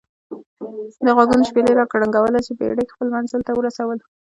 دغوږونو شپېلۍ را کرنګوله چې بېړۍ خپل منزل ته ورسول.